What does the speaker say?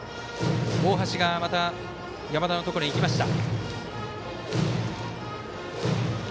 大橋がまた山田のところに行きました。